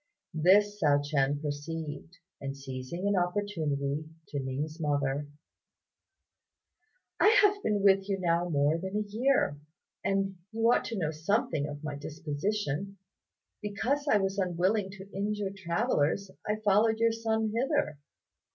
This Hsiao ch'ien perceived, and seizing an opportunity said to Ning's mother, "I have been with you now more than a year, and you ought to know something of my disposition. Because I was unwilling to injure travellers I followed your son hither.